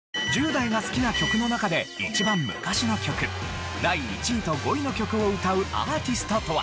１０代が好きな曲の中で一番昔の曲第１位と５位の曲を歌うアーティストとは？